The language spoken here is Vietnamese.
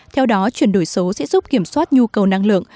theo đó chuyển đổi số sẽ giúp kiểm soát nhu cầu năng lượng